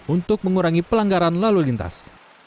untuk mengurangi pelanggaran lalu lintas